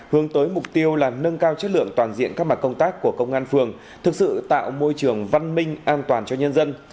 hướng tới mục tiêu là nâng cao chất lượng toàn diện các mặt công tác của công an phường thực sự tạo môi trường văn minh an toàn cho nhân dân